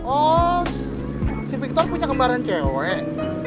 oh si victor punya kembaran cewek